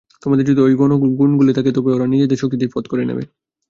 তোমাদের যদি ঐ গুণগুলি থাকে, তবে ওরা নিজেদের শক্তিতেই পথ করে নেবে।